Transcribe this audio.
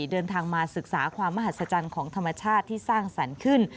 เดินทางมาศึกษาความมหัศจรรย์ของธรรมชาติที่สร้างสรรค์ขึ้น